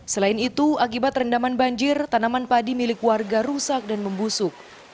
selain itu akibat rendaman banjir tanaman padi milik warga rusak dan membusuk